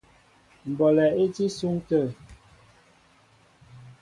Mbɔlɛ í tí isúŋ atə̂.